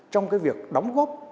trong cái việc đóng góp